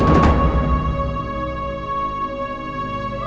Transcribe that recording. aku mau sama bunda